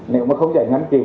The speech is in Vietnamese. nếu mà không giải ngắn triệu